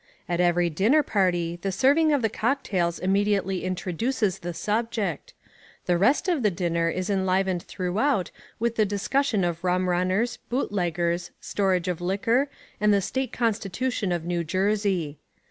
At every dinner party the serving of the cocktails immediately introduces the subject: the rest of the dinner is enlivened throughout with the discussion of rum runners, bootleggers, storage of liquor and the State constitution of New Jersey.